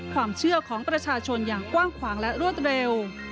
ความเชื่อของประชาชนอย่างกว้างขวางและรวดเร็ว